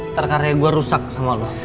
ntar karya gue rusak sama lo